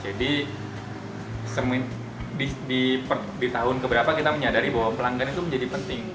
jadi di tahun keberapa kita menyadari bahwa pelanggan itu menjadi penting